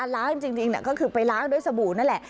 ล้างจริงก็คือไปล้างด้วยสบู่นั่นแหละ